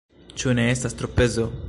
Ĉu ne estas tropezo?